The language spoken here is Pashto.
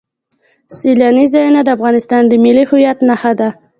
سیلاني ځایونه د افغانستان د ملي هویت نښه ده.